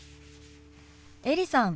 エリさん